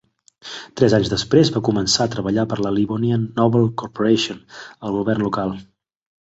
Tres anys després va començar a treballar per la Livonian Noble Corporation, el govern local.